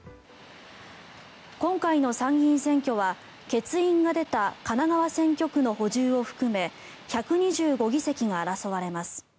今回の参議院選挙は欠員が出た神奈川選挙区の補充を含め１２５議席が争われます。